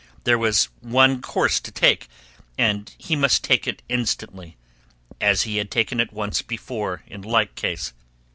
There was one course to take and he must take it instantly—as he had taken it once before in like case.